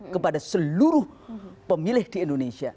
kepada seluruh pemilih di indonesia